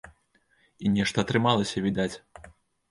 І нешта атрымалася, відаць.